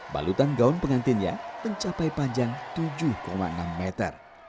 balutan gaun pengantinnya mencapai panjang tujuh enam meter